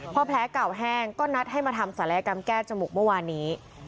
พอแผลเก่าแห้งก็นัดให้มาทำศัลยกรรมแก้จมูกเมื่อวานนี้